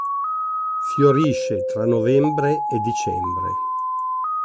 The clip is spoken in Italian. Fiorisce tra novembre e dicembre.